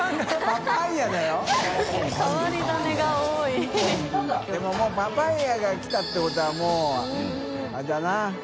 任もうパパイアが来たってことはもうあれだな。